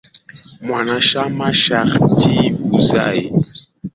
mwanachama sharti uzae mapachakashinjeama wewe ni pachaama waliokutangulia ni mapacha mfano